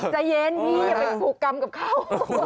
ใจเย็นพี่อย่าไปผูกกรรมกับเขา